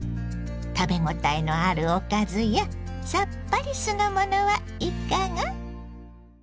食べ応えのあるおかずやさっぱり酢の物はいかが？